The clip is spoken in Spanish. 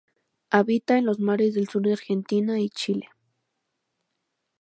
Habita en los mares del sur de Argentina y Chile.